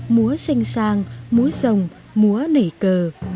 múa xanh sang múa rồng múa nảy cờ